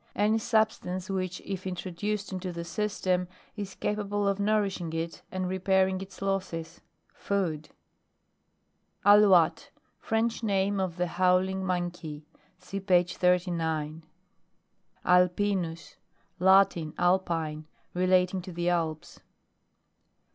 Any substance, which, if introduced into the system, i capable of nourishing it and re pairing its losses. Food. ALOU.VTTE French name of the howl ing monkey. (See page 39.) ALPINUS. Latin, Alpine ; relating to the Alps.